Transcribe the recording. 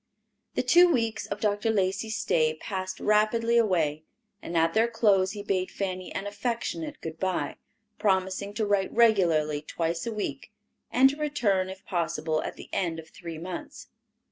The two weeks of Dr. Lacey's stay passed rapidly away, and at their close he bade Fanny an affectionate good by, promising to write regularly twice a week, and to return, if possible, at the end of three months.